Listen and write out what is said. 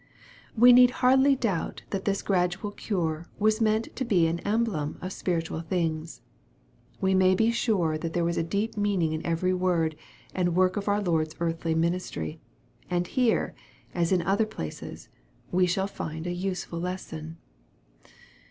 We need hardly doubt that this gradual cure was meant to be an emblem of spiritual things. We may be sure that there was a, deep meaning in every word and work of our Lord's earthly ministry, and here, as in other places, we shall find a useful lesson.